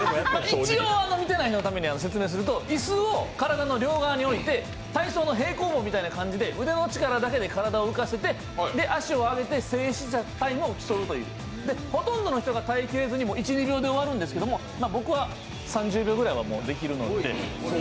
一応見ていない人のために説明すると椅子を体の両方に置いて体操の平行棒みたいな感じで腕の力だけで体を浮かして、静止したタイムを競うほとんどの人が耐えきれずに１２秒で終わるんですけど僕は３０秒ぐらいはいけるんで。